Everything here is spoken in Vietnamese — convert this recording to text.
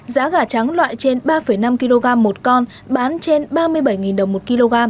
giá gà trắng loại trên ba năm kg một con bán trên ba mươi bảy đồng một kg